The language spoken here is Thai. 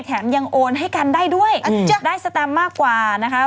แถมยังโอนให้กันได้ด้วยได้สแตมมากกว่านะคะ